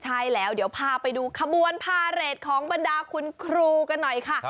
ใช่แล้วเดี๋ยวพาไปดูขบวนพาเรทของบรรดาคุณครูกันหน่อยค่ะ